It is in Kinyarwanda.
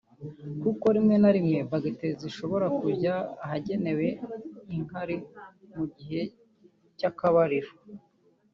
kuko rimwe na rimwe bacteri zishobora kujya ahagenewe inkari mu gihe cy’akabariro